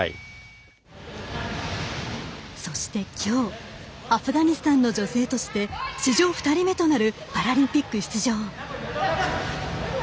そしてきょうアフガニスタンの女性として史上２人目となるパラリンピック出場。